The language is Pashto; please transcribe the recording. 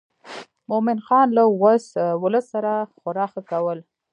مومن خان له ولس سره خورا ښه کول.